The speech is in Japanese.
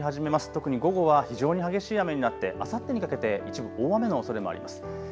特に午後は非常に激しい雨になって、あさってにかけて一部、大雨のおそれもあります。